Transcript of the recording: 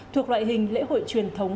thuộc loại hình lễ hội truyền thống